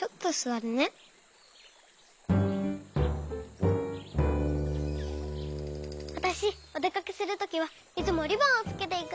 わたしおでかけするときはいつもリボンをつけていくのよ。